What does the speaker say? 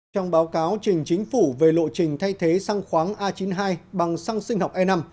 trong báo cáo trình chính phủ về lộ trình thay thế xăng khoáng a chín mươi hai bằng xăng sinh học e năm